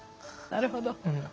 なるほど。